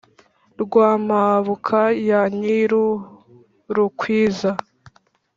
rwa mpabuka ya nyir-urukwiza